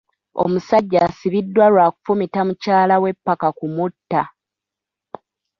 Omusajja asibiddwa lwa kufumita mukyala we paka kumutta.